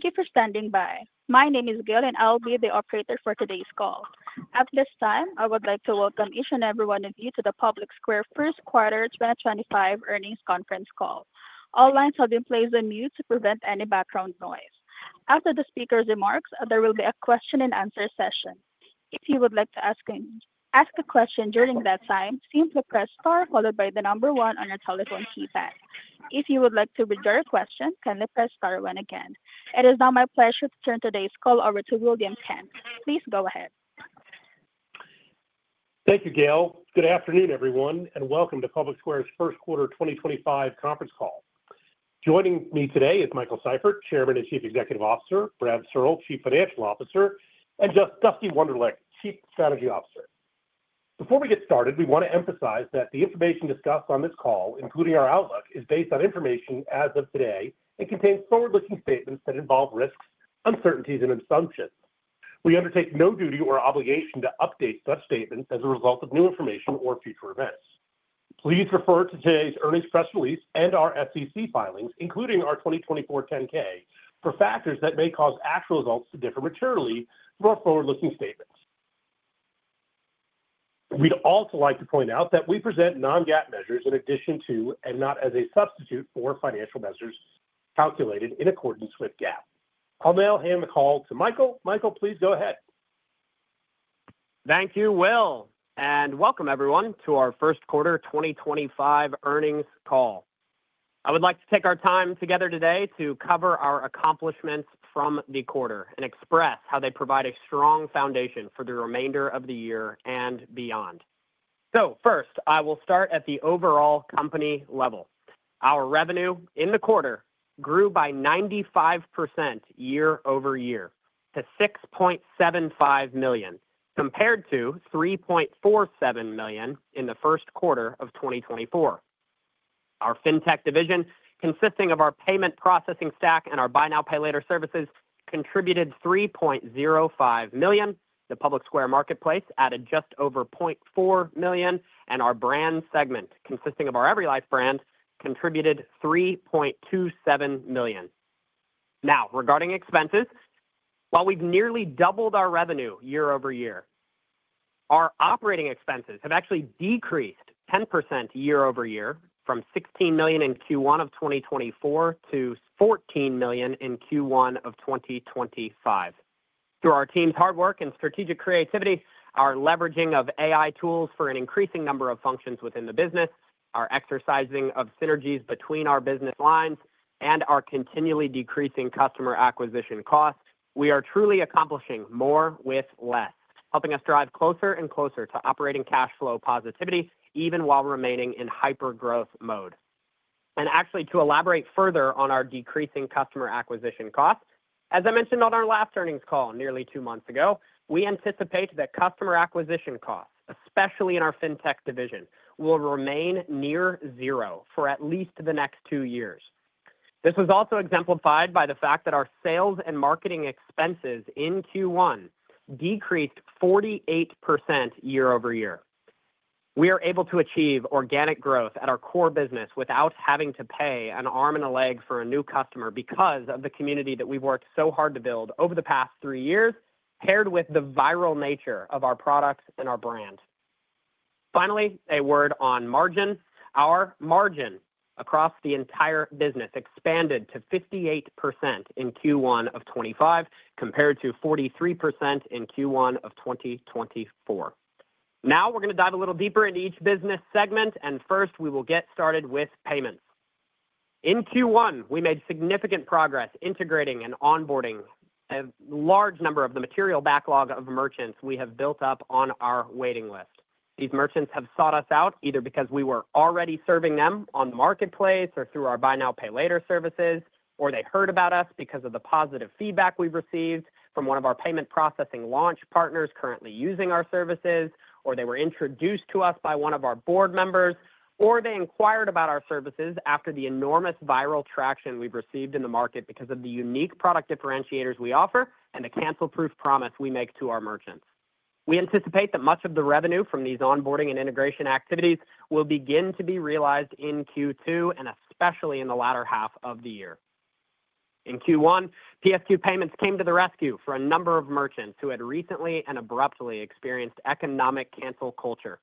Thank you for standing by. My name is Gail, and I'll be the operator for today's call. At this time, I would like to welcome each and every one of you to the PublicSquare First Quarter 2025 Earnings Conference Call. All lines have been placed on mute to prevent any background noise. After the speaker's remarks, there will be a question-and-answer session. If you would like to ask a question during that time, simply press star followed by the number one on your telephone keypad. If you would like to withdraw your question, kindly press star one again. It is now my pleasure to turn today's call over to William Kent. Please go ahead. Thank you, Gil. Good afternoon, everyone, and welcome to PublicSquare's First Quarter 2025 conference call. Joining me today is Michael Seifert, Chairman and Chief Executive Officer; Brad Searle, Chief Financial Officer; and Dusty Wunderlich, Chief Strategy Officer. Before we get started, we want to emphasize that the information discussed on this call, including our outlook, is based on information as of today and contains forward-looking statements that involve risks, uncertainties, and assumptions. We undertake no duty or obligation to update such statements as a result of new information or future events. Please refer to today's earnings press release and our SEC filings, including our 2024 10-K, for factors that may cause actual results to differ materially from our forward-looking statements. We'd also like to point out that we present non-GAAP measures in addition to, and not as a substitute for, financial measures calculated in accordance with GAAP. I'll now hand the call to Michael. Michael, please go ahead. Thank you, Will, and welcome, everyone, to our First Quarter 2025 earnings call. I would like to take our time together today to cover our accomplishments from the quarter and express how they provide a strong foundation for the remainder of the year and beyond. First, I will start at the overall company level. Our revenue in the quarter grew by 95% year over year to $6.75 million, compared to $3.47 million in the first quarter of 2024. Our fintech division, consisting of our payment processing stack and our buy now, pay later services, contributed $3.05 million. The PublicSquare Marketplace added just over $0.4 million, and our brand segment, consisting of our EveryLife brand, contributed $3.27 million. Now, regarding expenses, while we've nearly doubled our revenue year over year, our operating expenses have actually decreased 10% year over year, from $16 million in Q1 of 2024 to $14 million in Q1 of 2025. Through our team's hard work and strategic creativity, our leveraging of AI tools for an increasing number of functions within the business, our exercising of synergies between our business lines, and our continually decreasing customer acquisition costs, we are truly accomplishing more with less, helping us drive closer and closer to operating cash flow positivity, even while remaining in hyper-growth mode. Actually, to elaborate further on our decreasing customer acquisition costs, as I mentioned on our last earnings call nearly two months ago, we anticipate that customer acquisition costs, especially in our fintech division, will remain near zero for at least the next two years. This was also exemplified by the fact that our sales and marketing expenses in Q1 decreased 48% year over year. We are able to achieve organic growth at our core business without having to pay an arm and a leg for a new customer because of the community that we've worked so hard to build over the past three years, paired with the viral nature of our products and our brand. Finally, a word on margin. Our margin across the entire business expanded to 58% in Q1 of 2025, compared to 43% in Q1 of 2024. Now we're going to dive a little deeper into each business segment, and first we will get started with payments. In Q1, we made significant progress integrating and onboarding a large number of the material backlog of merchants we have built up on our waiting list. These merchants have sought us out either because we were already serving them on the marketplace or through our buy now, pay later services, or they heard about us because of the positive feedback we've received from one of our payment processing launch partners currently using our services, or they were introduced to us by one of our board members, or they inquired about our services after the enormous viral traction we've received in the market because of the unique product differentiators we offer and the cancel-proof promise we make to our merchants. We anticipate that much of the revenue from these onboarding and integration activities will begin to be realized in Q2 and especially in the latter half of the year. In Q1, PSQ Payments came to the rescue for a number of merchants who had recently and abruptly experienced economic cancel culture.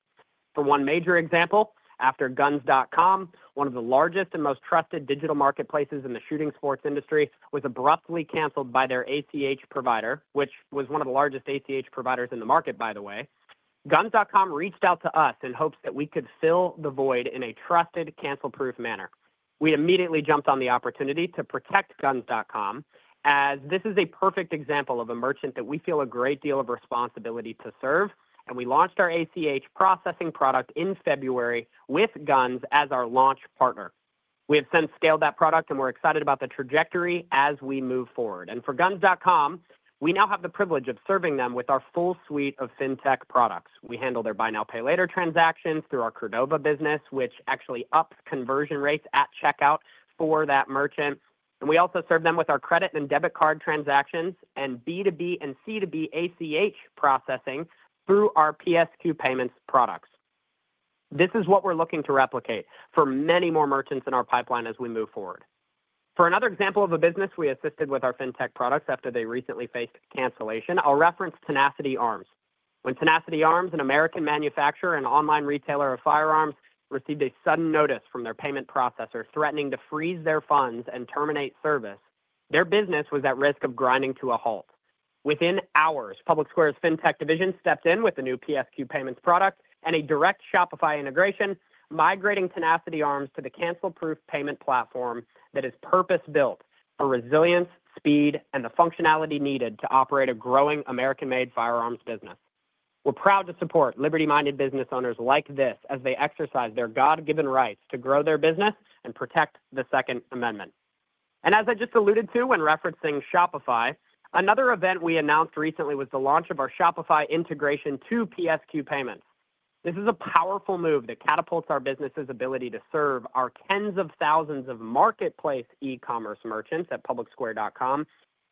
For one major example, after Guns.com, one of the largest and most trusted digital marketplaces in the shooting sports industry, was abruptly canceled by their ACH provider, which was one of the largest ACH providers in the market, by the way. Guns.com reached out to us in hopes that we could fill the void in a trusted, cancel-proof manner. We immediately jumped on the opportunity to protect Guns.com, as this is a perfect example of a merchant that we feel a great deal of responsibility to serve, and we launched our ACH processing product in February with Guns as our launch partner. We have since scaled that product, and we are excited about the trajectory as we move forward. For Guns.com, we now have the privilege of serving them with our full suite of fintech products. We handle their buy now, pay later transactions through our Credova business, which actually ups conversion rates at checkout for that merchant. We also serve them with our credit and debit card transactions and B2B and C2B ACH processing through our PSQ Payments products. This is what we're looking to replicate for many more merchants in our pipeline as we move forward. For another example of a business we assisted with our fintech products after they recently faced cancellation, I'll reference Tenacity Arms. When Tenacity Arms, an American manufacturer and online retailer of firearms, received a sudden notice from their payment processor threatening to freeze their funds and terminate service, their business was at risk of grinding to a halt. Within hours, PublicSquare's fintech division stepped in with a new PSQ Payments product and a direct Shopify integration, migrating Tenacity Arms to the cancel-proof payment platform that is purpose-built for resilience, speed, and the functionality needed to operate a growing American-made firearms business. We're proud to support liberty-minded business owners like this as they exercise their God-given rights to grow their business and protect the Second Amendment. As I just alluded to when referencing Shopify, another event we announced recently was the launch of our Shopify integration to PSQ Payments. This is a powerful move that catapults our business's ability to serve our tens of thousands of marketplace e-commerce merchants at PublicSquare.com,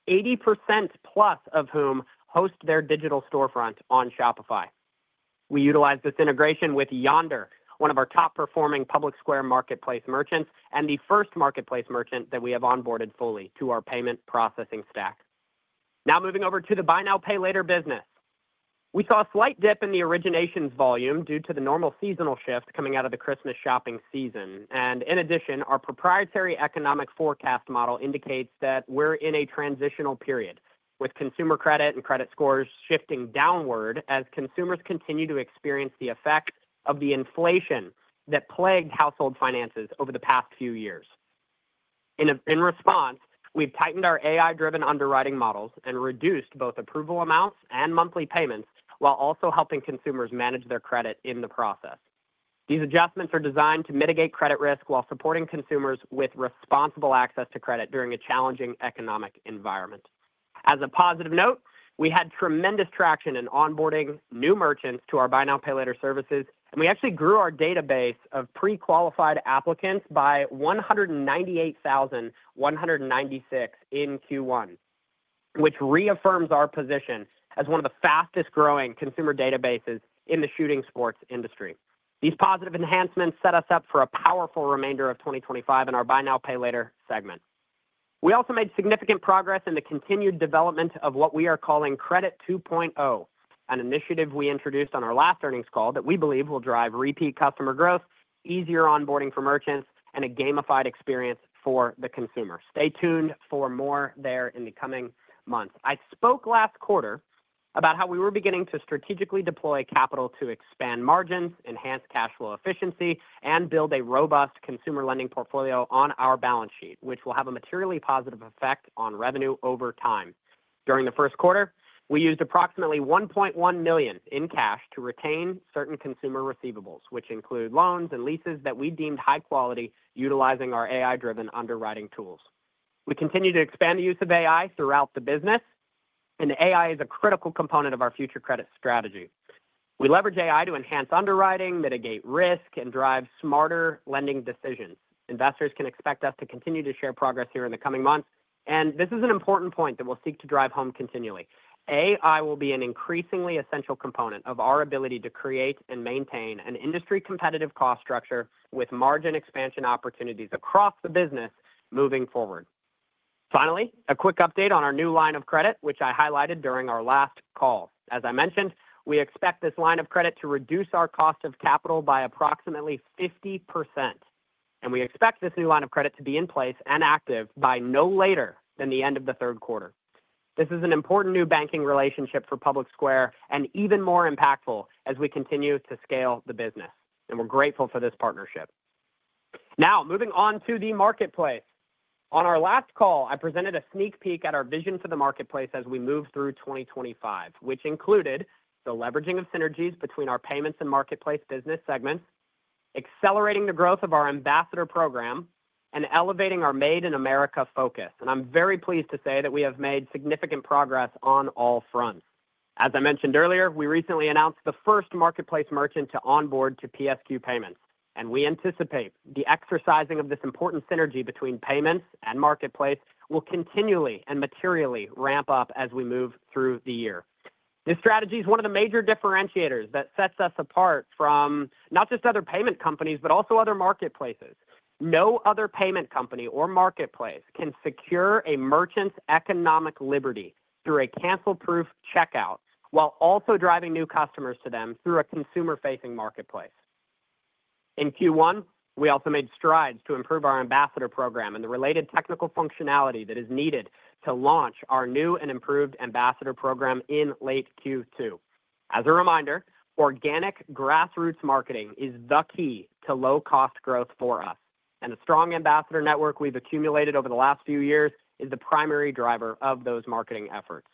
80%+ of whom host their digital storefront on Shopify. We utilize this integration with Yonder, one of our top-performing PublicSquare marketplace merchants and the first marketplace merchant that we have onboarded fully to our payment processing stack. Now moving over to the buy now, pay later business. We saw a slight dip in the originations volume due to the normal seasonal shift coming out of the Christmas shopping season. In addition, our proprietary economic forecast model indicates that we're in a transitional period with consumer credit and credit scores shifting downward as consumers continue to experience the effects of the inflation that plagued household finances over the past few years. In response, we've tightened our AI-driven underwriting models and reduced both approval amounts and monthly payments while also helping consumers manage their credit in the process. These adjustments are designed to mitigate credit risk while supporting consumers with responsible access to credit during a challenging economic environment. As a positive note, we had tremendous traction in onboarding new merchants to our buy now, pay later services, and we actually grew our database of pre-qualified applicants by 198,196 in Q1, which reaffirms our position as one of the fastest-growing consumer databases in the shooting sports industry. These positive enhancements set us up for a powerful remainder of 2025 in our buy now, pay later segment. We also made significant progress in the continued development of what we are calling Credit 2.0, an initiative we introduced on our last earnings call that we believe will drive repeat customer growth, easier onboarding for merchants, and a gamified experience for the consumer. Stay tuned for more there in the coming months. I spoke last quarter about how we were beginning to strategically deploy capital to expand margins, enhance cash flow efficiency, and build a robust consumer lending portfolio on our balance sheet, which will have a materially positive effect on revenue over time. During the first quarter, we used approximately $1.1 million in cash to retain certain consumer receivables, which include loans and leases that we deemed high quality utilizing our AI-driven underwriting tools. We continue to expand the use of AI throughout the business, and AI is a critical component of our future credit strategy. We leverage AI to enhance underwriting, mitigate risk, and drive smarter lending decisions. Investors can expect us to continue to share progress here in the coming months, and this is an important point that we'll seek to drive home continually. AI will be an increasingly essential component of our ability to create and maintain an industry-competitive cost structure with margin expansion opportunities across the business moving forward. Finally, a quick update on our new line of credit, which I highlighted during our last call. As I mentioned, we expect this line of credit to reduce our cost of capital by approximately 50%, and we expect this new line of credit to be in place and active by no later than the end of the third quarter. This is an important new banking relationship for PublicSquare and even more impactful as we continue to scale the business, and we're grateful for this partnership. Now, moving on to the marketplace. On our last call, I presented a sneak peek at our vision for the marketplace as we move through 2025, which included the leveraging of synergies between our payments and marketplace business segments, accelerating the growth of our ambassador program, and elevating our Made in America focus. I am very pleased to say that we have made significant progress on all fronts. As I mentioned earlier, we recently announced the first marketplace merchant to onboard to PSQ Payments, and we anticipate the exercising of this important synergy between payments and marketplace will continually and materially ramp up as we move through the year. This strategy is one of the major differentiators that sets us apart from not just other payment companies, but also other marketplaces. No other payment company or marketplace can secure a merchant's economic liberty through a cancel-proof checkout while also driving new customers to them through a consumer-facing marketplace. In Q1, we also made strides to improve our ambassador program and the related technical functionality that is needed to launch our new and improved ambassador program in late Q2. As a reminder, organic grassroots marketing is the key to low-cost growth for us, and the strong ambassador network we've accumulated over the last few years is the primary driver of those marketing efforts.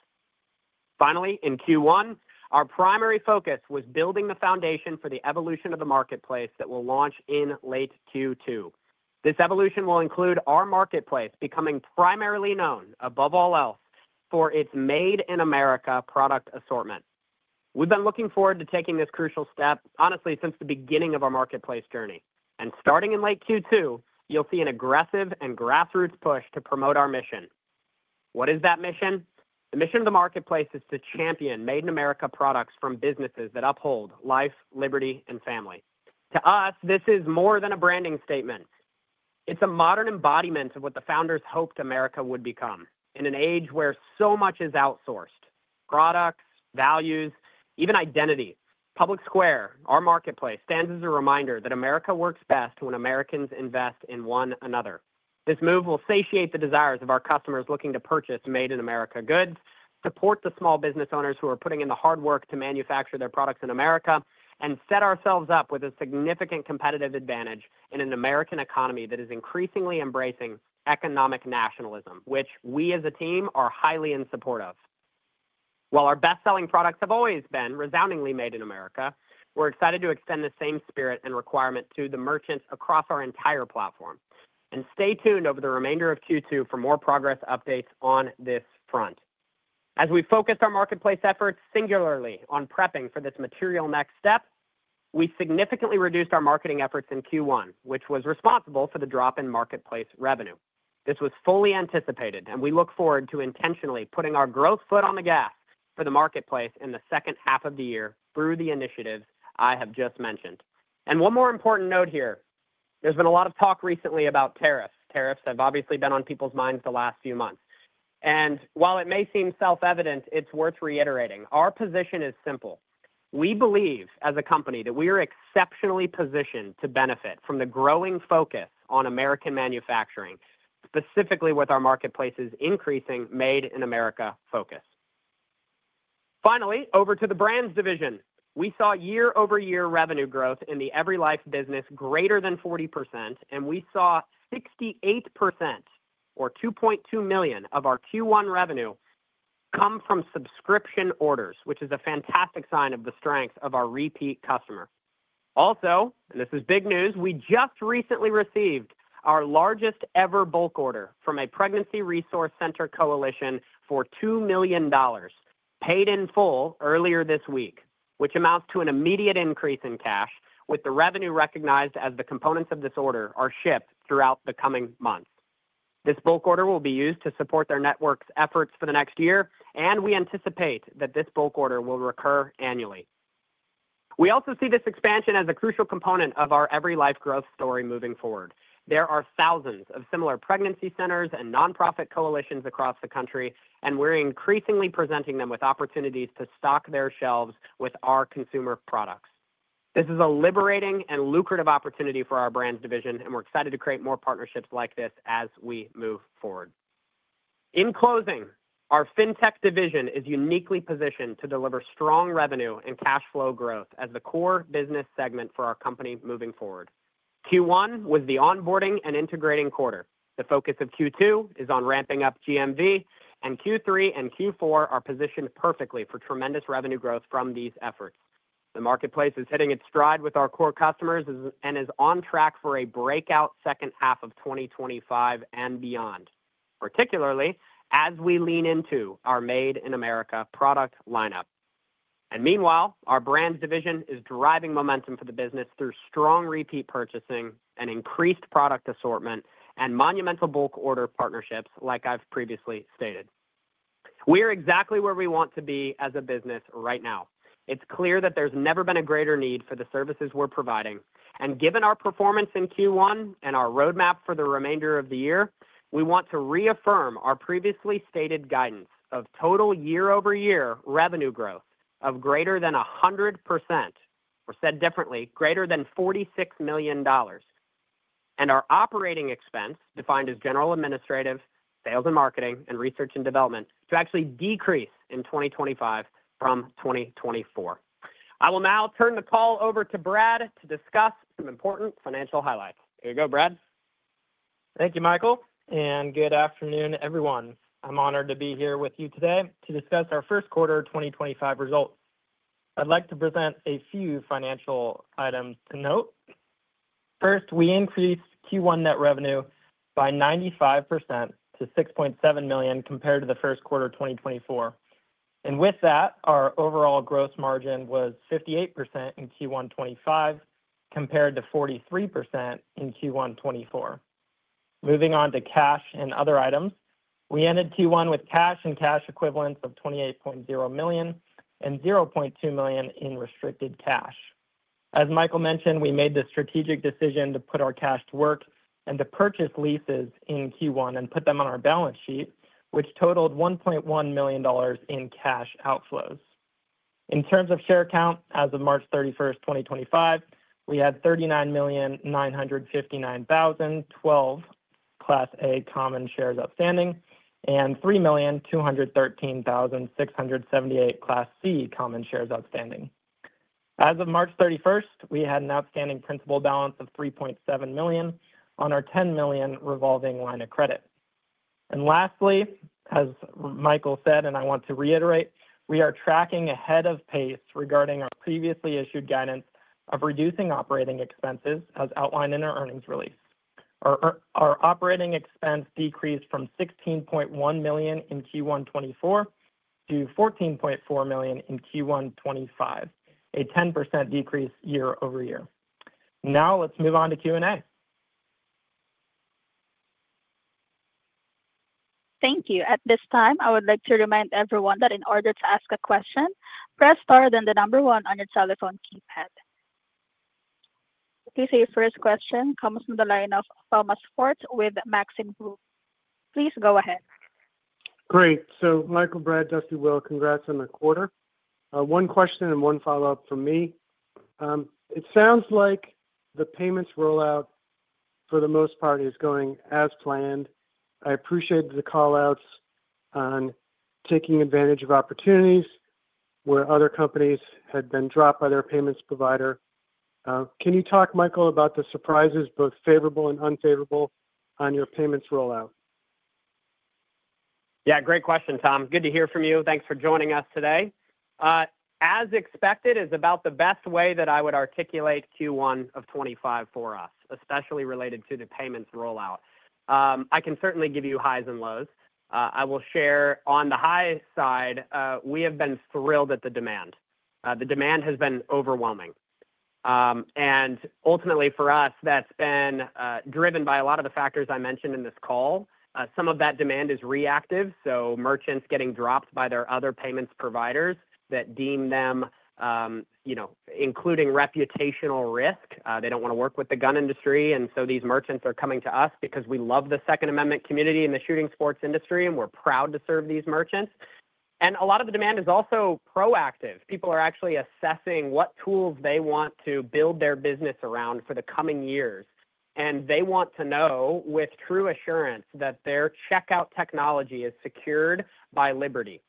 Finally, in Q1, our primary focus was building the foundation for the evolution of the marketplace that will launch in late Q2. This evolution will include our marketplace becoming primarily known, above all else, for its Made in America product assortment. We've been looking forward to taking this crucial step, honestly, since the beginning of our marketplace journey. Starting in late Q2, you'll see an aggressive and grassroots push to promote our mission. What is that mission? The mission of the marketplace is to champion Made in America products from businesses that uphold life, liberty, and family. To us, this is more than a branding statement. It's a modern embodiment of what the founders hoped America would become in an age where so much is outsourced: products, values, even identity. PublicSquare, our marketplace, stands as a reminder that America works best when Americans invest in one another. This move will satiate the desires of our customers looking to purchase Made in America goods, support the small business owners who are putting in the hard work to manufacture their products in America, and set ourselves up with a significant competitive advantage in an American economy that is increasingly embracing economic nationalism, which we as a team are highly in support of. While our best-selling products have always been resoundingly Made in America, we're excited to extend the same spirit and requirement to the merchants across our entire platform. Stay tuned over the remainder of Q2 for more progress updates on this front. As we focused our marketplace efforts singularly on prepping for this material next step, we significantly reduced our marketing efforts in Q1, which was responsible for the drop in marketplace revenue. This was fully anticipated, and we look forward to intentionally putting our growth foot on the gas for the marketplace in the second half of the year through the initiatives I have just mentioned. One more important note here. There has been a lot of talk recently about tariffs. Tariffs have obviously been on people's minds the last few months. While it may seem self-evident, it is worth reiterating. Our position is simple. We believe as a company that we are exceptionally positioned to benefit from the growing focus on American manufacturing, specifically with our marketplace's increasing Made in America focus. Finally, over to the brands division. We saw year-over-year revenue growth in the EveryLife business greater than 40%, and we saw 68% or $2.2 million of our Q1 revenue come from subscription orders, which is a fantastic sign of the strength of our repeat customer. Also, and this is big news, we just recently received our largest ever bulk order from a pregnancy resource center coalition for $2 million paid in full earlier this week, which amounts to an immediate increase in cash, with the revenue recognized as the components of this order are shipped throughout the coming months. This bulk order will be used to support their network's efforts for the next year, and we anticipate that this bulk order will recur annually. We also see this expansion as a crucial component of our EveryLife growth story moving forward. There are thousands of similar pregnancy centers and nonprofit coalitions across the country, and we're increasingly presenting them with opportunities to stock their shelves with our consumer products. This is a liberating and lucrative opportunity for our brands division, and we're excited to create more partnerships like this as we move forward. In closing, our fintech division is uniquely positioned to deliver strong revenue and cash flow growth as the core business segment for our company moving forward. Q1 was the onboarding and integrating quarter. The focus of Q2 is on ramping up GMV, and Q3 and Q4 are positioned perfectly for tremendous revenue growth from these efforts. The marketplace is hitting its stride with our core customers and is on track for a breakout second half of 2025 and beyond, particularly as we lean into our Made in America product lineup. Meanwhile, our brands division is driving momentum for the business through strong repeat purchasing, an increased product assortment, and monumental bulk order partnerships, like I've previously stated. We are exactly where we want to be as a business right now. It's clear that there's never been a greater need for the services we're providing. Given our performance in Q1 and our roadmap for the remainder of the year, we want to reaffirm our previously stated guidance of total year-over-year revenue growth of greater than 100%, or said differently, greater than $46 million, and our operating expense, defined as general administrative, sales and marketing, and research and development, to actually decrease in 2025 from 2024. I will now turn the call over to Brad to discuss some important financial highlights. Here we go, Brad. Thank you, Michael, and good afternoon, everyone. I'm honored to be here with you today to discuss our first quarter 2025 results. I'd like to present a few financial items to note. First, we increased Q1 net revenue by 95% to $6.7 million compared to the first quarter 2024. With that, our overall gross margin was 58% in Q1 2025 compared to 43% in Q1 2024. Moving on to cash and other items, we ended Q1 with cash and cash equivalents of $28.0 million and $0.2 million in restricted cash. As Michael mentioned, we made the strategic decision to put our cash to work and to purchase leases in Q1 and put them on our balance sheet, which totaled $1.1 million in cash outflows. In terms of share count, as of March 31, 2025, we had 39,959,012 Class A common shares outstanding and 3,213,678 Class C common shares outstanding. As of March 31, we had an outstanding principal balance of $3.7 million on our $10 million revolving line of credit. Lastly, as Michael said, and I want to reiterate, we are tracking ahead of pace regarding our previously issued guidance of reducing operating expenses as outlined in our earnings release. Our operating expense decreased from $16.1 million in Q1 2024 to $14.4 million in Q1 2025, a 10% decrease year-over-year. Now let's move on to Q&A. Thank you. At this time, I would like to remind everyone that in order to ask a question, press star then the number one on your telephone keypad. Okay, your first question comes from the line of Thomas Swartz with Maxim Group. Please go ahead. Great. So Michael, Brad, Dusty, Will, congrats on the quarter. One question and one follow-up from me. It sounds like the payments rollout, for the most part, is going as planned. I appreciate the callouts on taking advantage of opportunities where other companies had been dropped by their payments provider. Can you talk, Michael, about the surprises, both favorable and unfavorable, on your payments rollout? Yeah, great question, Tom. Good to hear from you. Thanks for joining us today. As expected, it's about the best way that I would articulate Q1 of 2025 for us, especially related to the payments rollout. I can certainly give you highs and lows. I will share on the high side, we have been thrilled at the demand. The demand has been overwhelming. Ultimately, for us, that's been driven by a lot of the factors I mentioned in this call. Some of that demand is reactive, so merchants getting dropped by their other payments providers that deem them, you know, including reputational risk. They don't want to work with the gun industry, and these merchants are coming to us because we love the Second Amendment community in the shooting sports industry, and we're proud to serve these merchants. A lot of the demand is also proactive. People are actually assessing what tools they want to build their business around for the coming years. They want to know with true assurance that their checkout technology is secured by Liberty.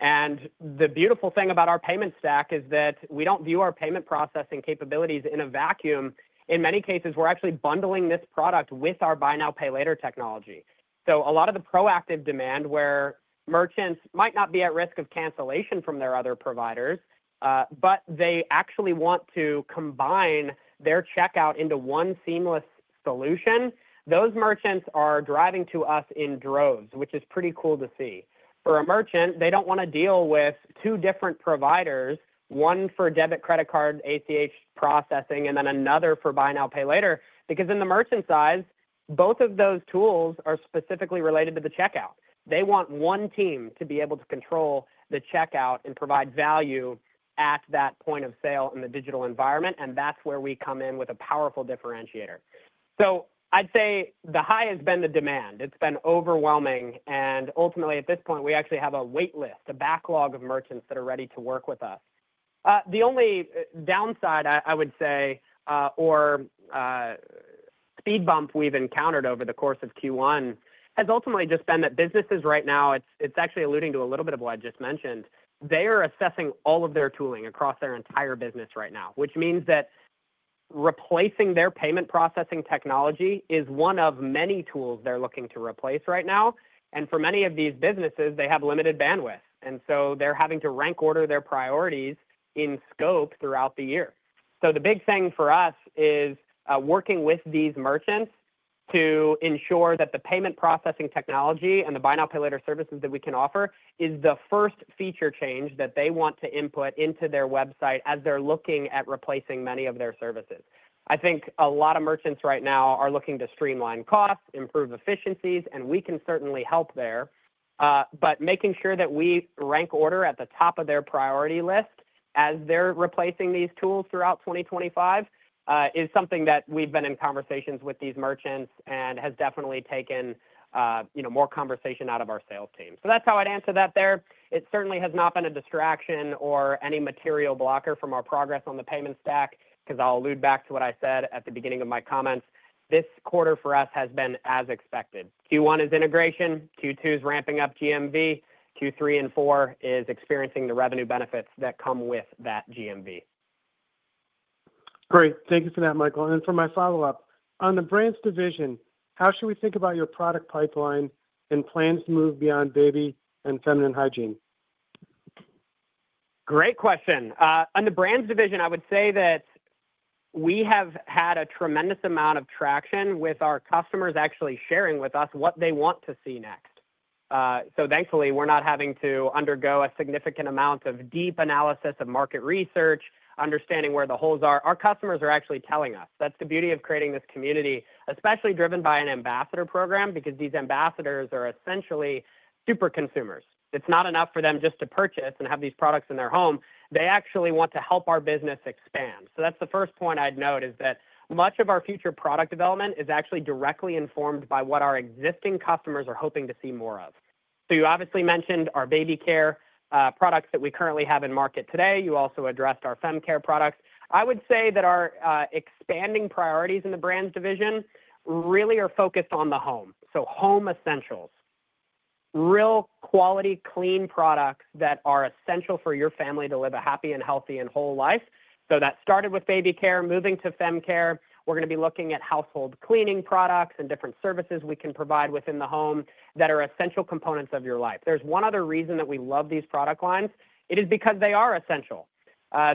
The beautiful thing about our payment stack is that we do not view our payment processing capabilities in a vacuum. In many cases, we are actually bundling this product with our buy now, pay later technology. A lot of the proactive demand where merchants might not be at risk of cancellation from their other providers, but they actually want to combine their checkout into one seamless solution, those merchants are driving to us in droves, which is pretty cool to see. For a merchant, they don't want to deal with two different providers, one for debit credit card ACH processing and then another for buy now, pay later, because in the merchant side, both of those tools are specifically related to the checkout. They want one team to be able to control the checkout and provide value at that point of sale in the digital environment, and that's where we come in with a powerful differentiator. I'd say the high has been the demand. It's been overwhelming. Ultimately, at this point, we actually have a waitlist, a backlog of merchants that are ready to work with us. The only downside, I would say, or speed bump we've encountered over the course of Q1 has ultimately just been that businesses right now, it's actually alluding to a little bit of what I just mentioned. They are assessing all of their tooling across their entire business right now, which means that replacing their payment processing technology is one of many tools they're looking to replace right now. For many of these businesses, they have limited bandwidth, and so they're having to rank order their priorities in scope throughout the year. The big thing for us is working with these merchants to ensure that the payment processing technology and the buy now, pay later services that we can offer is the first feature change that they want to input into their website as they're looking at replacing many of their services. I think a lot of merchants right now are looking to streamline costs, improve efficiencies, and we can certainly help there. Making sure that we rank order at the top of their priority list as they're replacing these tools throughout 2025 is something that we've been in conversations with these merchants and has definitely taken, you know, more conversation out of our sales team. That's how I'd answer that there. It certainly has not been a distraction or any material blocker from our progress on the payment stack, because I'll allude back to what I said at the beginning of my comments. This quarter for us has been as expected. Q1 is integration. Q2 is ramping up GMV. Q3 and 4 is experiencing the revenue benefits that come with that GMV. Great. Thank you for that, Michael. For my follow-up, on the brands division, how should we think about your product pipeline and plans to move beyond baby and feminine hygiene? Great question. On the brands division, I would say that we have had a tremendous amount of traction with our customers actually sharing with us what they want to see next. Thankfully, we're not having to undergo a significant amount of deep analysis of market research, understanding where the holes are. Our customers are actually telling us. That's the beauty of creating this community, especially driven by an ambassador program, because these ambassadors are essentially super consumers. It's not enough for them just to purchase and have these products in their home. They actually want to help our business expand. That's the first point I'd note is that much of our future product development is actually directly informed by what our existing customers are hoping to see more of. You obviously mentioned our baby care products that we currently have in market today. You also addressed our fem care products. I would say that our expanding priorities in the brands division really are focused on the home. Home essentials, real quality, clean products that are essential for your family to live a happy and healthy and whole life. That started with baby care, moving to fem care. We're going to be looking at household cleaning products and different services we can provide within the home that are essential components of your life. There's one other reason that we love these product lines. It is because they are essential.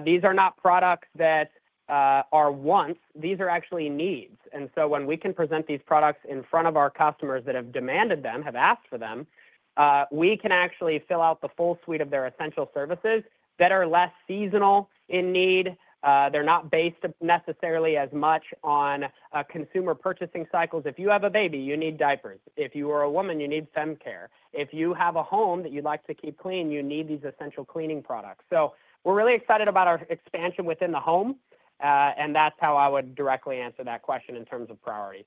These are not products that are wants. These are actually needs. When we can present these products in front of our customers that have demanded them, have asked for them, we can actually fill out the full suite of their essential services that are less seasonal in need. They're not based necessarily as much on consumer purchasing cycles. If you have a baby, you need diapers. If you are a woman, you need fem care. If you have a home that you'd like to keep clean, you need these essential cleaning products. We're really excited about our expansion within the home, and that's how I would directly answer that question in terms of priorities.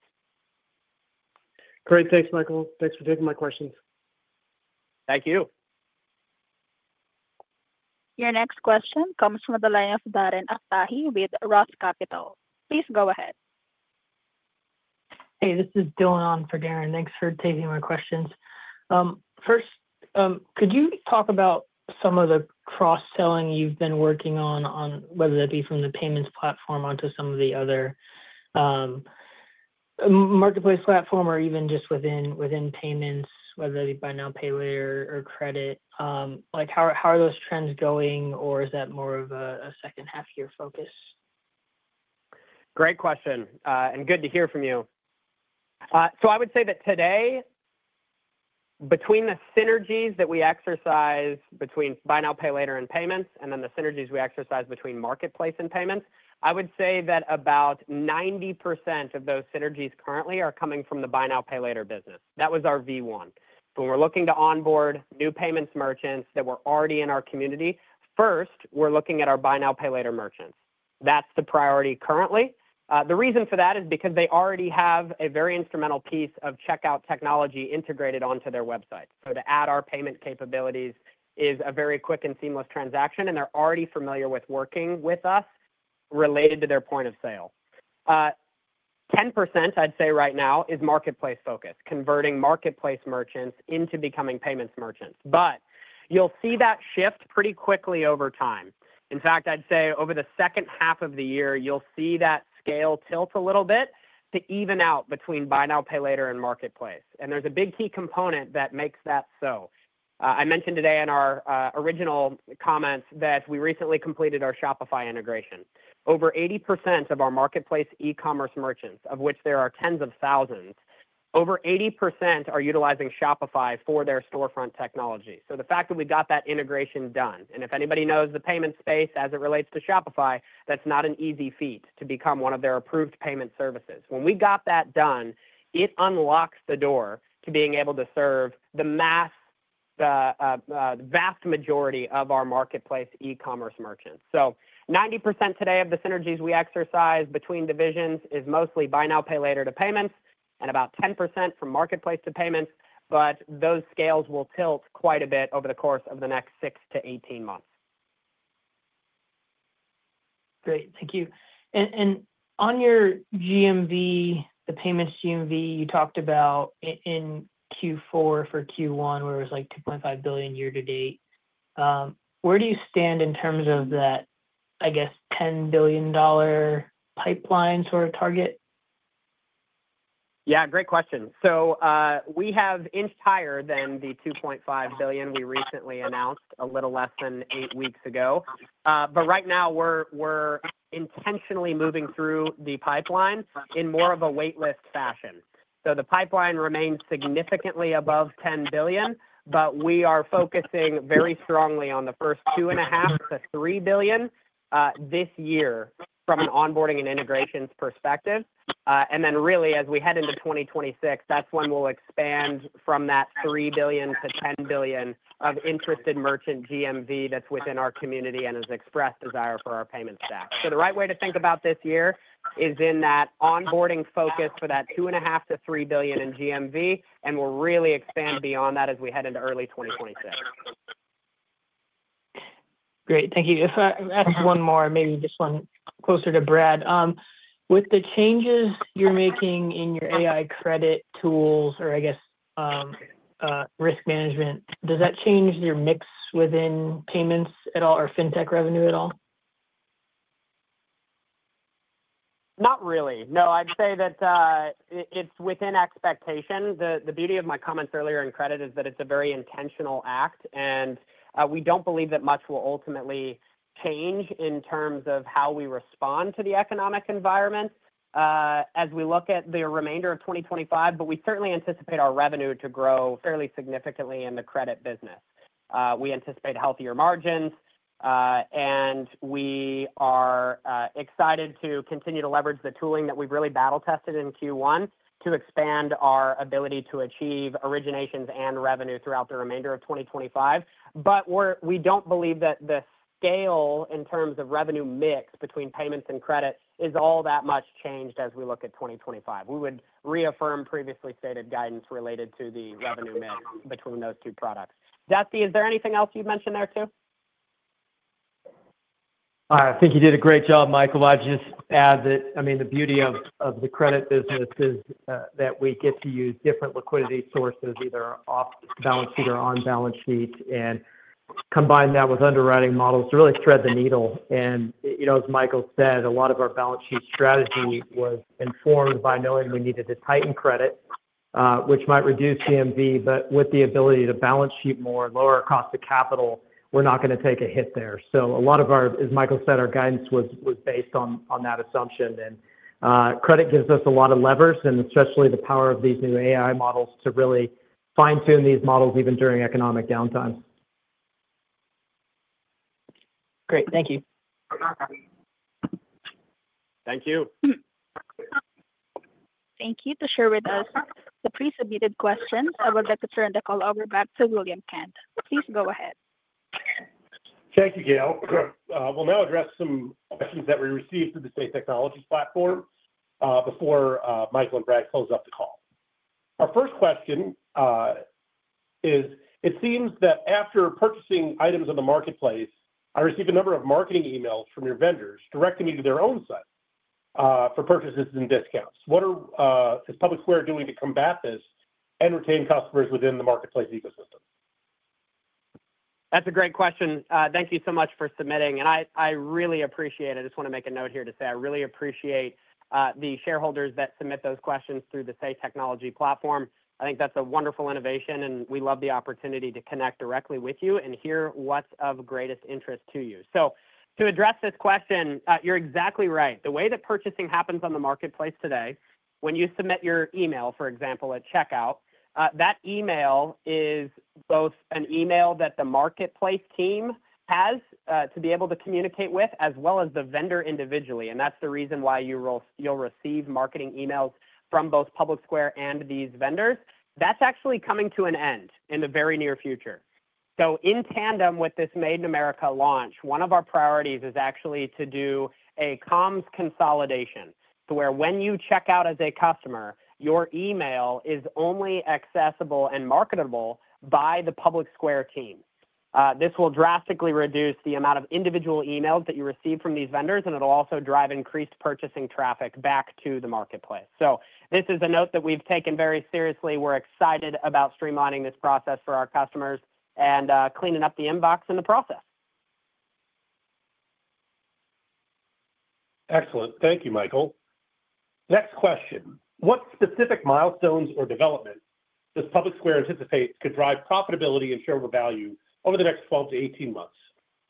Great. Thanks, Michael. Thanks for taking my questions. Thank you. Your next question comes from the line of Darren Asahi with Ross Capital. Please go ahead. Hey, this is Dylan on for Darren. Thanks for taking my questions. First, could you talk about some of the cross-selling you've been working on, whether that be from the payments platform onto some of the other marketplace platform or even just within payments, whether that be buy now, pay later or credit? How are those trends going, or is that more of a second half year focus? Great question, and good to hear from you. I would say that today, between the synergies that we exercise between buy now, pay later and payments, and then the synergies we exercise between marketplace and payments, I would say that about 90% of those synergies currently are coming from the buy now, pay later business. That was our V1. When we're looking to onboard new payments merchants that were already in our community, first, we're looking at our buy now, pay later merchants. That's the priority currently. The reason for that is because they already have a very instrumental piece of checkout technology integrated onto their website. To add our payment capabilities is a very quick and seamless transaction, and they're already familiar with working with us related to their point of sale. 10%, I'd say right now, is marketplace focus, converting marketplace merchants into becoming payments merchants. You'll see that shift pretty quickly over time. In fact, I'd say over the second half of the year, you'll see that scale tilt a little bit to even out between buy now, pay later and marketplace. There's a big key component that makes that so. I mentioned today in our original comments that we recently completed our Shopify integration. Over 80% of our marketplace e-commerce merchants, of which there are tens of thousands, over 80% are utilizing Shopify for their storefront technology. The fact that we got that integration done, and if anybody knows the payment space as it relates to Shopify, that's not an easy feat to become one of their approved payment services. When we got that done, it unlocks the door to being able to serve the vast majority of our marketplace e-commerce merchants. So 90% today of the synergies we exercise between divisions is mostly buy now, pay later to payments and about 10% from marketplace to payments, but those scales will tilt quite a bit over the course of the next 6-18 months. Great. Thank you. And on your GMV, the payments GMV, you talked about in Q4 for Q1, where it was like $2.5 billion year to date. Where do you stand in terms of that, I guess, $10 billion pipeline sort of target? Yeah, great question. So we have inched higher than the $2.5 billion we recently announced a little less than eight weeks ago. But right now, we're intentionally moving through the pipeline in more of a waitlist fashion. The pipeline remains significantly above $10 billion, but we are focusing very strongly on the first $2.5 billion-$3 billion this year from an onboarding and integrations perspective. Really, as we head into 2026, that is when we will expand from that $3 billion to $10 billion of interested merchant GMV that is within our community and has expressed desire for our payment stack. The right way to think about this year is in that onboarding focus for that $2.5 billion-$3 billion in GMV, and we will really expand beyond that as we head into early 2026. Great. Thank you. If I ask one more, maybe this one closer to Brad. With the changes you are making in your AI credit tools or, I guess, risk management, does that change your mix within payments at all or fintech revenue at all? Not really. No, I'd say that it's within expectation. The beauty of my comments earlier in credit is that it's a very intentional act, and we don't believe that much will ultimately change in terms of how we respond to the economic environment as we look at the remainder of 2025, but we certainly anticipate our revenue to grow fairly significantly in the credit business. We anticipate healthier margins, and we are excited to continue to leverage the tooling that we've really battle tested in Q1 to expand our ability to achieve originations and revenue throughout the remainder of 2025. We don't believe that the scale in terms of revenue mix between payments and credit is all that much changed as we look at 2025. We would reaffirm previously stated guidance related to the revenue mix between those two products. Dusty, is there anything else you'd mention there too? I think you did a great job, Michael. I'd just add that, I mean, the beauty of the credit business is that we get to use different liquidity sources, either off balance sheet or on balance sheet, and combine that with underwriting models to really thread the needle. You know, as Michael said, a lot of our balance sheet strategy was informed by knowing we needed to tighten credit, which might reduce GMV, but with the ability to balance sheet more and lower cost of capital, we're not going to take a hit there. A lot of our, as Michael said, our guidance was based on that assumption, and credit gives us a lot of levers, and especially the power of these new AI models to really fine-tune these models even during economic downtimes. Great. Thank you. Thank you. Thank you for sharing with us the pre-submitted questions. I would like to turn the call over back to William Kent. Please go ahead. Thank you, Gail. We'll now address some questions that we received through the Say Technologies platform before Michael and Brad close up the call. Our first question is, it seems that after purchasing items on the marketplace, I receive a number of marketing emails from your vendors directing me to their own site for purchases and discounts. What is PublicSquare doing to combat this and retain customers within the marketplace ecosystem? That's a great question. Thank you so much for submitting, and I really appreciate it. I just want to make a note here to say I really appreciate the shareholders that submit those questions through the Say Technologies platform. I think that's a wonderful innovation, and we love the opportunity to connect directly with you and hear what's of greatest interest to you. To address this question, you're exactly right. The way that purchasing happens on the marketplace today, when you submit your email, for example, at checkout, that email is both an email that the marketplace team has to be able to communicate with, as well as the vendor individually. That's the reason why you'll receive marketing emails from both PublicSquare and these vendors. That's actually coming to an end in the very near future. In tandem with this Made in America launch, one of our priorities is actually to do a comms consolidation to where when you check out as a customer, your email is only accessible and marketable by the PublicSquare team. This will drastically reduce the amount of individual emails that you receive from these vendors, and it'll also drive increased purchasing traffic back to the marketplace. This is a note that we've taken very seriously. We're excited about streamlining this process for our customers and cleaning up the inbox and the process. Excellent. Thank you, Michael. Next question. What specific milestones or developments does PublicSquare anticipate could drive profitability and shareable value over the next 12 to 18 months?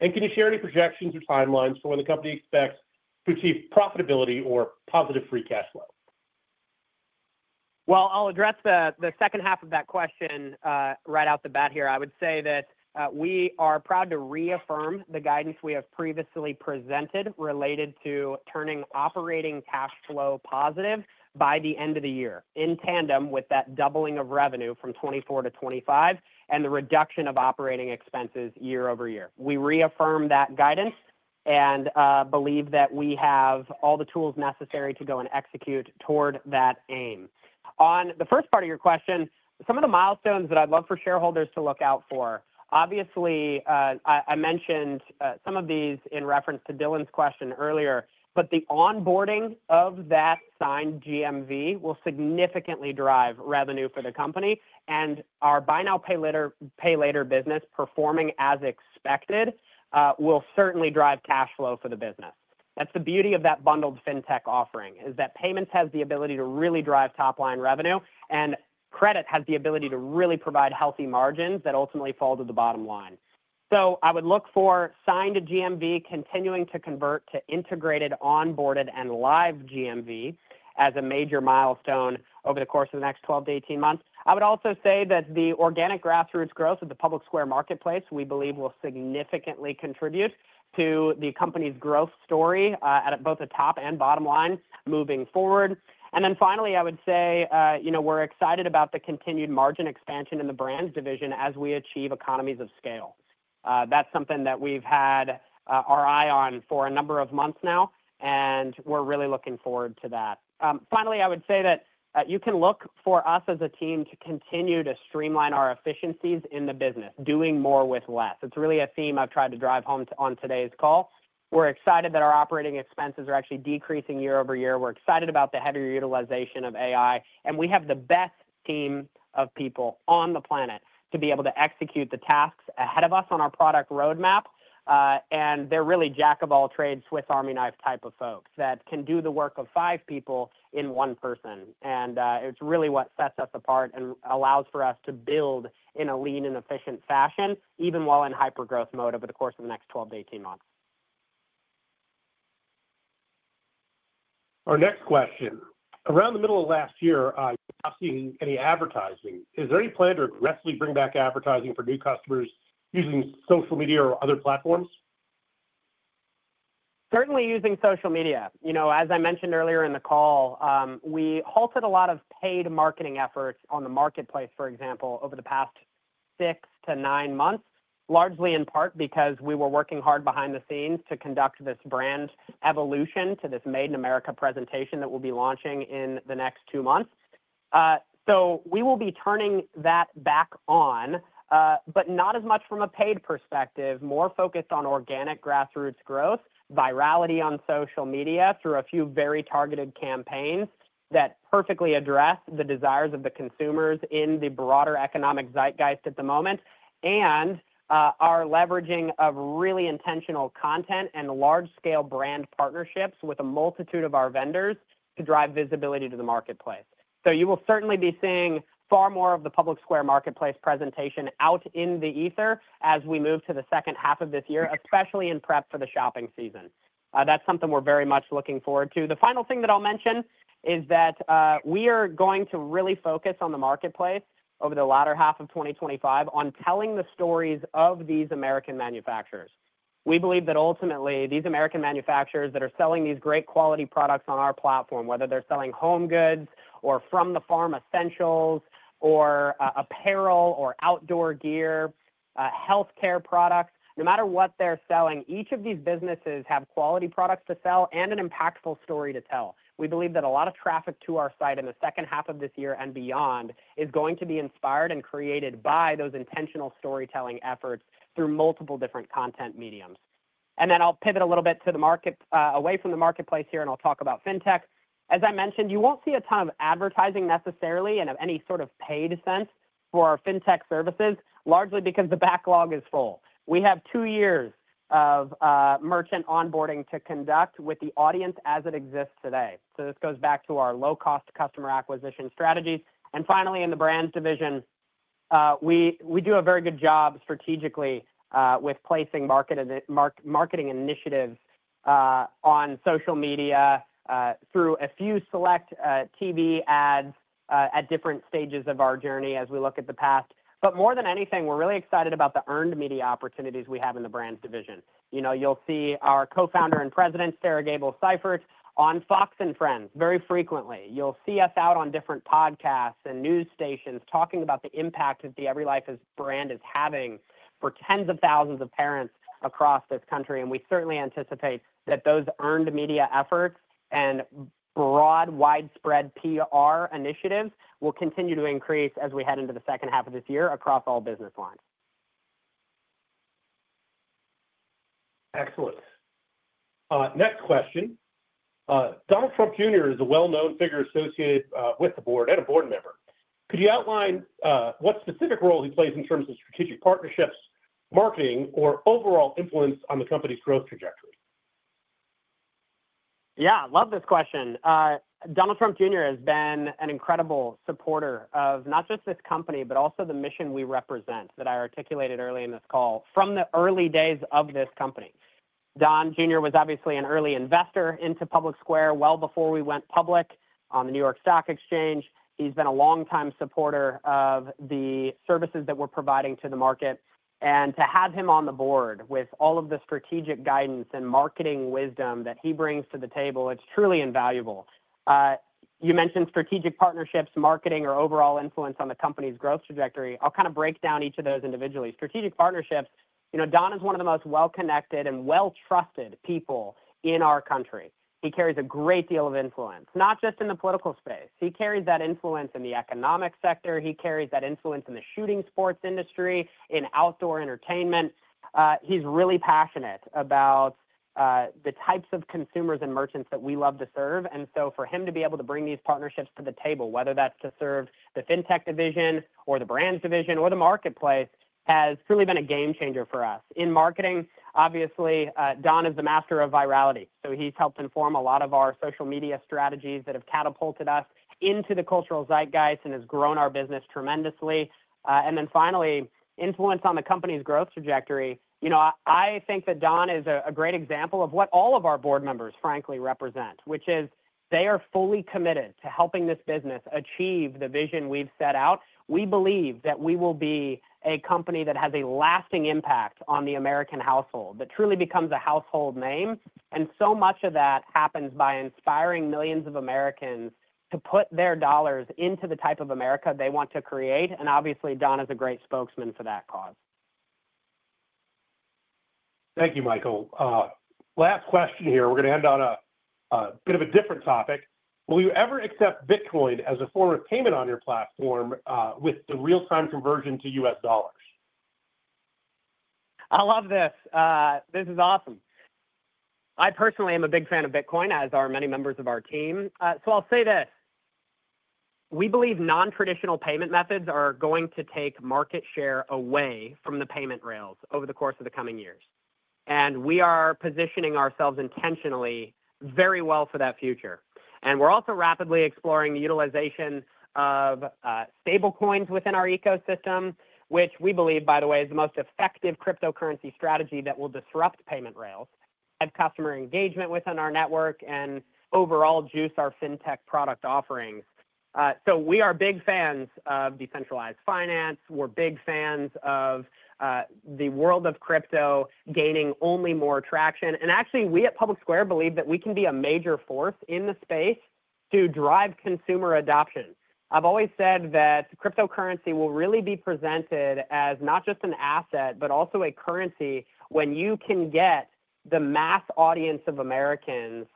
Can you share any projections or timelines for when the company expects to achieve profitability or positive free cash flow? I'll address the second half of that question right out the bat here. I would say that we are proud to reaffirm the guidance we have previously presented related to turning operating cash flow positive by the end of the year in tandem with that doubling of revenue from 2024 to 2025 and the reduction of operating expenses year over year. We reaffirm that guidance and believe that we have all the tools necessary to go and execute toward that aim. On the first part of your question, some of the milestones that I'd love for shareholders to look out for. Obviously, I mentioned some of these in reference to Dylan's question earlier, but the onboarding of that signed GMV will significantly drive revenue for the company, and our buy now, pay later business performing as expected will certainly drive cash flow for the business. That's the beauty of that bundled fintech offering, is that payments has the ability to really drive top-line revenue, and credit has the ability to really provide healthy margins that ultimately fall to the bottom line. I would look for signed GMV continuing to convert to integrated, onboarded, and live GMV as a major milestone over the course of the next 12 to 18 months. I would also say that the organic grassroots growth of the PublicSquare marketplace we believe will significantly contribute to the company's growth story at both the top and bottom line moving forward. Finally, I would say, you know, we're excited about the continued margin expansion in the brand division as we achieve economies of scale. That's something that we've had our eye on for a number of months now, and we're really looking forward to that. Finally, I would say that you can look for us as a team to continue to streamline our efficiencies in the business, doing more with less. It's really a theme I've tried to drive home on today's call. We're excited that our operating expenses are actually decreasing year over year. We're excited about the heavier utilization of AI, and we have the best team of people on the planet to be able to execute the tasks ahead of us on our product roadmap. They're really jack-of-all-trades, Swiss army knife type of folks that can do the work of five people in one person. It's really what sets us apart and allows for us to build in a lean and efficient fashion, even while in hyper-growth mode over the course of the next 12 to 18 months. Our next question. Around the middle of last year, you're not seeing any advertising. Is there any plan to aggressively bring back advertising for new customers using social media or other platforms? Certainly using social media. You know, as I mentioned earlier in the call, we halted a lot of paid marketing efforts on the marketplace, for example, over the past six to nine months, largely in part because we were working hard behind the scenes to conduct this brand evolution to this Made in America presentation that we will be launching in the next two months. We will be turning that back on, but not as much from a paid perspective, more focused on organic grassroots growth, virality on social media through a few very targeted campaigns that perfectly address the desires of the consumers in the broader economic zeitgeist at the moment, and our leveraging of really intentional content and large-scale brand partnerships with a multitude of our vendors to drive visibility to the marketplace. You will certainly be seeing far more of the PublicSquare Marketplace presentation out in the ether as we move to the second half of this year, especially in prep for the shopping season. That's something we're very much looking forward to. The final thing that I'll mention is that we are going to really focus on the marketplace over the latter half of 2025 on telling the stories of these American manufacturers. We believe that ultimately these American manufacturers that are selling these great quality products on our platform, whether they're selling home goods or from the farm essentials or apparel or outdoor gear, healthcare products, no matter what they're selling, each of these businesses have quality products to sell and an impactful story to tell. We believe that a lot of traffic to our site in the second half of this year and beyond is going to be inspired and created by those intentional storytelling efforts through multiple different content mediums. I will pivot a little bit to the market away from the marketplace here, and I will talk about fintech. As I mentioned, you will not see a ton of advertising necessarily and of any sort of paid sense for our fintech services, largely because the backlog is full. We have two years of merchant onboarding to conduct with the audience as it exists today. This goes back to our low-cost customer acquisition strategies. Finally, in the brands division, we do a very good job strategically with placing marketing initiatives on social media through a few select TV ads at different stages of our journey as we look at the past. More than anything, we're really excited about the earned media opportunities we have in the brands division. You know, you'll see our Co-founder and President, Sarah Gabel Seifert, on Fox & Friends very frequently. You'll see us out on different podcasts and news stations talking about the impact that the EveryLife brand is having for tens of thousands of parents across this country. We certainly anticipate that those earned media efforts and broad, widespread PR initiatives will continue to increase as we head into the second half of this year across all business lines. Excellent. Next question. Donald Trump Jr. is a well-known figure associated with the board and a board member. Could you outline what specific role he plays in terms of strategic partnerships, marketing, or overall influence on the company's growth trajectory? Yeah, I love this question. Donald Trump Jr. has been an incredible supporter of not just this company, but also the mission we represent that I articulated early in this call from the early days of this company. Don Jr. was obviously an early investor into PublicSquare well before we went public on the New York Stock Exchange. He's been a longtime supporter of the services that we're providing to the market. To have him on the board with all of the strategic guidance and marketing wisdom that he brings to the table, it's truly invaluable. You mentioned strategic partnerships, marketing, or overall influence on the company's growth trajectory. I'll kind of break down each of those individually. Strategic partnerships, you know, Don is one of the most well-connected and well-trusted people in our country. He carries a great deal of influence, not just in the political space. He carries that influence in the economic sector. He carries that influence in the shooting sports industry, in outdoor entertainment. He's really passionate about the types of consumers and merchants that we love to serve. For him to be able to bring these partnerships to the table, whether that's to serve the fintech division or the brands division or the marketplace, has truly been a game changer for us. In marketing, obviously, Don is the master of virality. He's helped inform a lot of our social media strategies that have catapulted us into the cultural zeitgeist and has grown our business tremendously. Finally, influence on the company's growth trajectory. You know, I think that Don is a great example of what all of our board members, frankly, represent, which is they are fully committed to helping this business achieve the vision we've set out. We believe that we will be a company that has a lasting impact on the American household, that truly becomes a household name. So much of that happens by inspiring millions of Americans to put their dollars into the type of America they want to create. Obviously, Don is a great spokesman for that cause. Thank you, Michael. Last question here. We're going to end on a bit of a different topic. Will you ever accept Bitcoin as a form of payment on your platform with the real-time conversion to U.S. dollars? I love this. This is awesome. I personally am a big fan of Bitcoin, as are many members of our team. I'll say this. We believe non-traditional payment methods are going to take market share away from the payment rails over the course of the coming years. We are positioning ourselves intentionally very well for that future. We are also rapidly exploring the utilization of stablecoins within our ecosystem, which we believe, by the way, is the most effective cryptocurrency strategy that will disrupt payment rails, add customer engagement within our network, and overall juice our fintech product offerings. We are big fans of decentralized finance. We are big fans of the world of crypto gaining only more traction. Actually, we at PublicSquare believe that we can be a major force in the space to drive consumer adoption. I have always said that cryptocurrency will really be presented as not just an asset, but also a currency when you can get the mass audience of Americans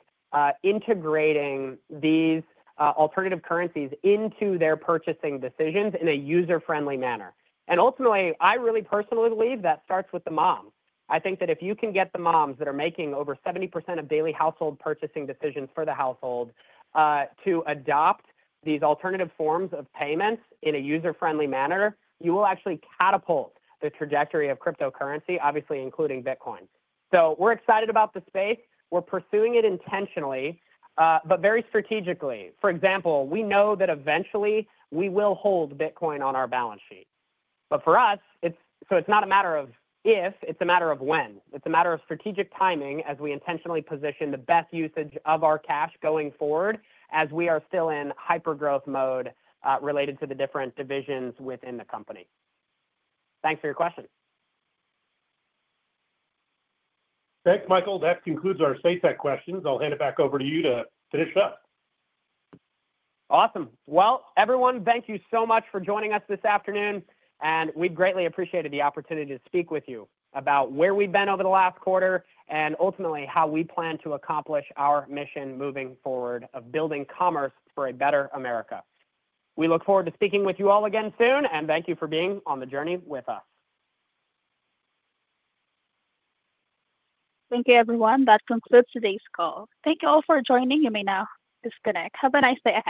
integrating these alternative currencies into their purchasing decisions in a user-friendly manner. Ultimately, I really personally believe that starts with the mom. I think that if you can get the moms that are making over 70% of daily household purchasing decisions for the household to adopt these alternative forms of payments in a user-friendly manner, you will actually catapult the trajectory of cryptocurrency, obviously including Bitcoin. We are excited about the space. We are pursuing it intentionally, but very strategically. For example, we know that eventually we will hold Bitcoin on our balance sheet. For us, it is not a matter of if, it is a matter of when. It is a matter of strategic timing as we intentionally position the best usage of our cash going forward as we are still in hyper-growth mode related to the different divisions within the company. Thanks for your question. Thanks, Michael. That concludes our SAFEC questions. I'll hand it back over to you to finish up. Awesome. Everyone, thank you so much for joining us this afternoon. We have greatly appreciated the opportunity to speak with you about where we have been over the last quarter and ultimately how we plan to accomplish our mission moving forward of building commerce for a better America. We look forward to speaking with you all again soon, and thank you for being on the journey with us. Thank you, everyone. That concludes today's call. Thank you all for joining me now. Disconnect. Have a nice day.